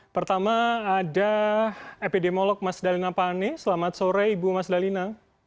pertama ada epidemiolog mas dalina pane selamat sore ibu mas dalina